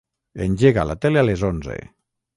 Engega la tele a les onze.